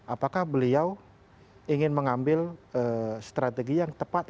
apakah beliau ingin mengambil strategi yang tepat